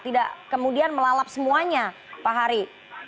tidak kemudian melalap semuanya pak hari